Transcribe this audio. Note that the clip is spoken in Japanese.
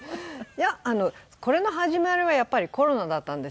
これの始まりはやっぱりコロナだったんですよ。